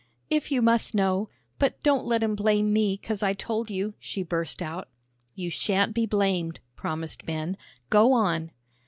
"If you must know but don't let 'em blame me 'cause I told you," she burst out. "You shan't be blamed," promised Ben. "Go on."